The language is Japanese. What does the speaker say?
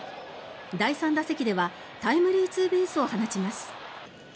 第３打席ではタイムリーツーベースを放ちます。